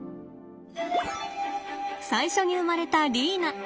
最初に生まれたリーナ。